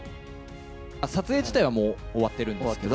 撮影自体はもう終わってるん